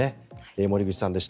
森口さんでした。